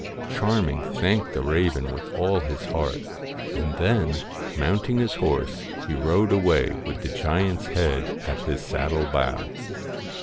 Charming thanked the raven with all his heart, and then, mounting his horse, he rode away, with the giant's head at his saddle bow.